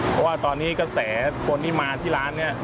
เพราะว่าตอนนี้กระแสคนที่มาที่ร้านนี้